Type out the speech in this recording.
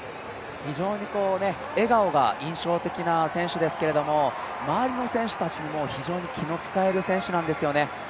非常に笑顔が印象的な選手ですけれども周りの選手たちにも非常に気の使える選手なんですよね。